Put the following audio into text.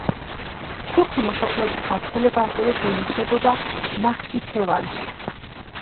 ქურთი მოსახლეობის გავრცელება ასევე შეინიშნებოდა ნახიჩევანში.